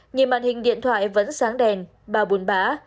nhìn màn hình điện thoại vẫn sáng đèn bà buồn bá